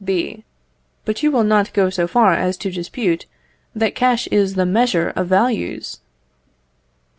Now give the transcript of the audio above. B. But you will not go so far as to dispute that cash is the measure of values?